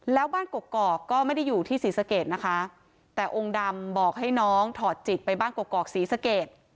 แล้วบ้านกกอกก็ไม่ได้อยู่ที่ศรีสะเกดนะคะแต่องค์ดำบอกให้น้องถอดจิตไปบ้านกอกศรีสเกต